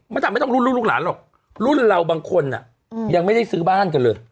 จำไม่ต้องรุ่นรุ่นลูกหลานหรอกรุ่นเราบางคนยังไม่ได้ซื้อบ้านกันเลย